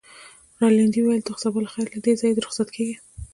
رینالډي وویل: ته خو سبا له خیره له دې ځایه ځې، رخصت کېږې.